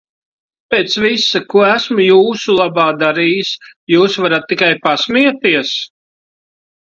Pēc visa, ko esmu jūsu labā darījis jūs varat tikai pasmieties?